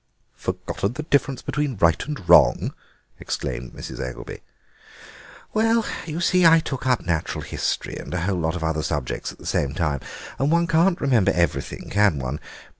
"Forgotten the difference between right and wrong!" exclaimed Mrs. Eggelby. "Well, you see, I took up natural history and a whole lot of other subjects at the same time, and one can't remember everything, can one?